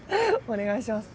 お願いします。